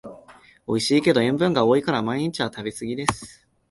おいしいけど塩分が多いから毎日は食べすぎです